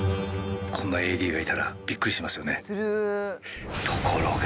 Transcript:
こんなＡＤがいたらびっくりしますよね。